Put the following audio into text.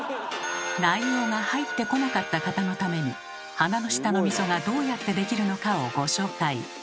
内容が入ってこなかった方のために鼻の下の溝がどうやってできるのかをご紹介。